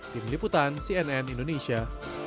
tim liputan cnn indonesia